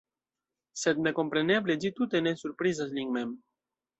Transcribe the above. Sed, nekompreneble, ĝi tute ne surprizas lin mem.